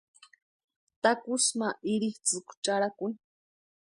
Takusï ma irhitsʼïku charhakuni.